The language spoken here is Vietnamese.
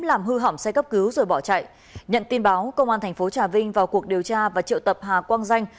làm hư hỏng xe cấp cứu rồi bỏ chạy nhận tin báo công an thành phố trà vinh vào cuộc điều tra và triệu tập hà quang danh